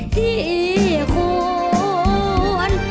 ที่ควร